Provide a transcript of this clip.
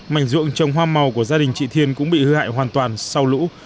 mảnh ruộng trồng hoa màu của gia đình chị thiên cũng bị hư hại hoàn toàn sau lũ